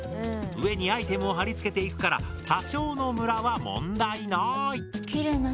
上にアイテムを貼り付けていくから多少のムラは問題ない。